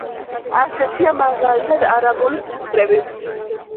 ასეთებია, მაგალითად, არაბული ციფრები.